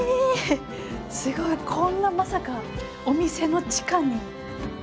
すごいこんなまさかお店の地下に。